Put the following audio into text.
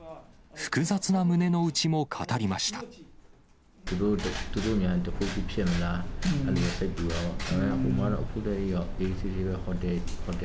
複雑な胸の内も語りました。